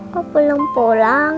kok belum pulang